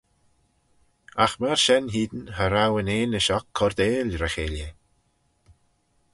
Agh myr shen hene cha row yn eanish oc coardail ry-cheilley.